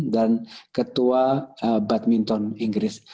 dan ketua badminton inggris